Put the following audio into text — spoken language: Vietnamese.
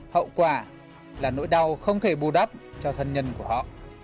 hậu quả là nỗi đau không thể bù đắp cho thân nhân của họ